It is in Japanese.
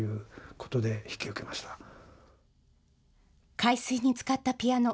海水につかったピアノ。